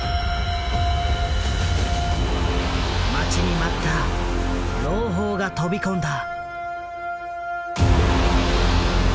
待ちに待った朗報が飛び込んだ。